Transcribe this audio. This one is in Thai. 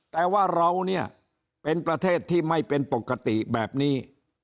แต่ว่าเราเนี่ยเป็นประเทศที่ไม่เป็นปกติแบบนี้